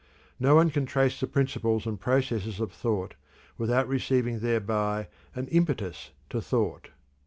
No one can trace the principles and processes of thought without receiving thereby an impetus to thought.